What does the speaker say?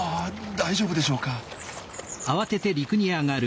大丈夫でしょうか？